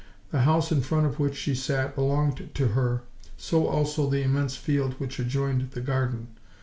The house in front of which she sat belonged to her, so also the immense field which adjoined the garden.